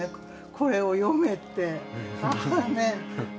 これを読めって。